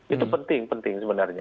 itu penting penting sebenarnya